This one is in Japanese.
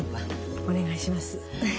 お願いします。